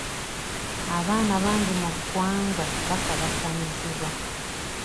Abaana bangi mu ggwanga bakabasanyizibwa.